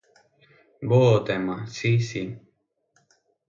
Vou ao tema, si, si.